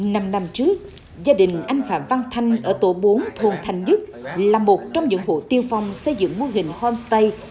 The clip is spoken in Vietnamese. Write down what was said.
năm năm trước gia đình anh phạm văn thanh ở tổ bốn thôn thành nhất là một trong những hộ tiêu phong xây dựng mô hình homestay